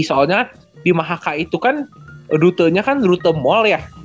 soalnya di mahaka itu kan rutenya kan rute mall ya